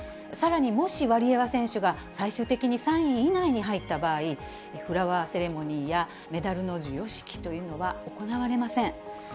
さらにもしワリエワ選手が最終的に３位以内に入った場合、フラワーセレモニーや、メダルの授与式というのは行われません。